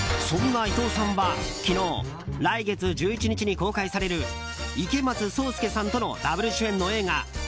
そんな伊藤さんは昨日来月１１日に公開される池松壮亮さんとのダブル主演の映画